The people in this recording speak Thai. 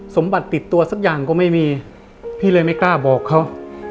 สมบัติติดตัวสักอย่างก็ไม่มีพี่เลยไม่กล้าบอกเขา